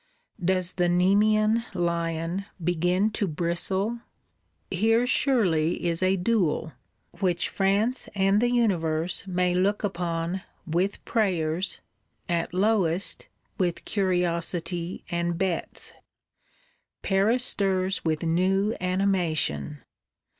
Does the Nemean Lion begin to bristle? Here surely is a duel, which France and the Universe may look upon: with prayers; at lowest, with curiosity and bets. Paris stirs with new animation.